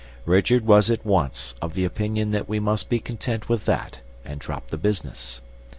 Richard was at once of the opinion that we must be content with that and drop the business.